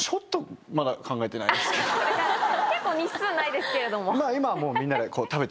結構日数ないですけれども。